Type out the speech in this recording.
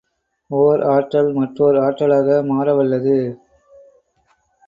ஒர் ஆற்றல் மற்றோர்ஆற்றலாக மாறவல்லது.